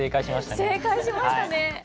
正解しましたね。